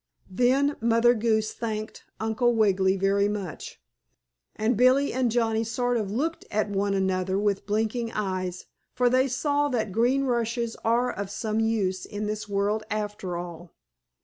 Then Mother Goose thanked Uncle Wiggily very much, and Billie and Johnnie sort of looked at one another with blinking eyes, for they saw that green rushes are of some use in this world after all.